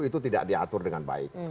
itu tidak diatur dengan baik